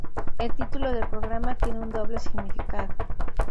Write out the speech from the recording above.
El título del programa tiene un doble significado.